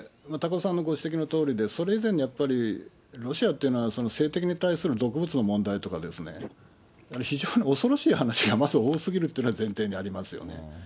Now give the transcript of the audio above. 高岡さんのご指摘のとおりで、それ以前にやっぱり、ロシアっていうのは、政治的に対する毒物の問題とか、非常に恐ろしい話がまずは多すぎるっていうのが前提にありますよね。